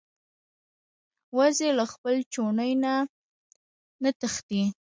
وزې له خپل چوڼي نه نه تښتي